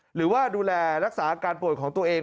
หรือว่าดูแลรักษาอาการป่วยของตัวเอง